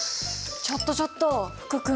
ちょっとちょっと福君。